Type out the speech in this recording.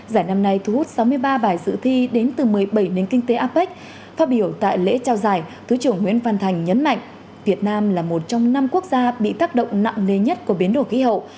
giải năm nay thu hút sáu mươi ba bài dự thi đến từ một mươi bảy nền kinh tế apec phát biểu tại lễ trao giải thứ trưởng nguyễn văn thành nhấn mạnh việt nam là một trong năm quốc gia bị tác động nặng nề nhất của biến đổi khí hậu